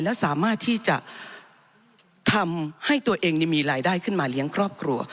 และสามารถที่จะทำให้ตัวเองมีรายได้ขึ้นมาเลี้ยงครอบครัว